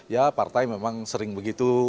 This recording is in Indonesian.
ya partai memang sering begitu